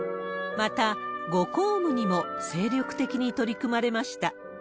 また、ご公務にも精力的に取り組まれました。